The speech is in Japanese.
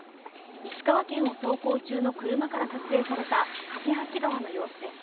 石川県を走行中の車から撮影された梯川橋の様子です。